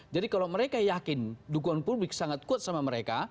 jadi kalau mereka yakin dukungan publik sangat kuat sama mereka